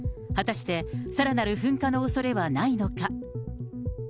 果たして、さらなる噴火のおそれはないのか。